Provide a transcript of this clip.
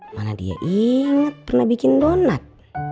mana dia inget pernah bikin donat